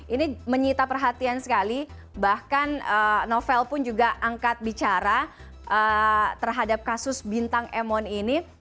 ini menyita perhatian sekali bahkan novel pun juga angkat bicara terhadap kasus bintang emon ini